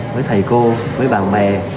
với thầy cô với bạn bè